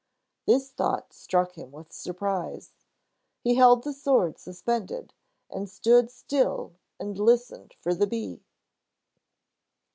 This thought struck him with surprise. He held the sword suspended, and stood still and listened for the bee.